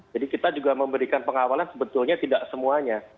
jadi kita juga memberikan pengawalan sebetulnya tidak semuanya